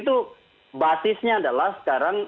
itu basisnya adalah sekarang